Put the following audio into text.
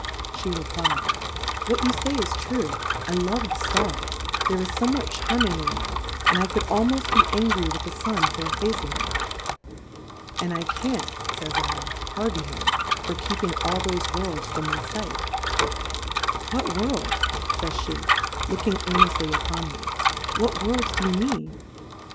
She reply'd, what you fay is true, I love the Stars^ there is fomewhat charming ia them, and I could almoft be angry witli the Stm for effacing 'em. And I can't, fays 7, pardon him, for keeping all thofe "Worlds from my fight : What Worlds,. fays pe^ looking earneftly upon uie,. whu V/orJJs do you mean